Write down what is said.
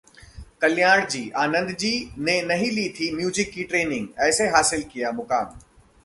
कल्याणजी-आनंदजी ने नहीं ली थी म्यूजिक की ट्रेनिंग, ऐसे हासिल किया मुकाम